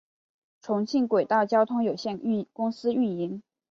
重庆轨道交通有限公司运营。